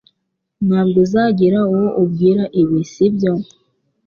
Ntabwo uzagira uwo ubwira ibi, sibyo?